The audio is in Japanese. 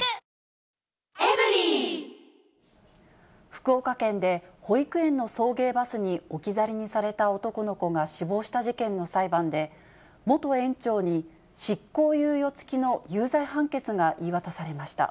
福岡県で、保育園の送迎バスに置き去りにされた男の子が死亡した事件の裁判で、元園長に執行猶予付きの有罪判決が言い渡されました。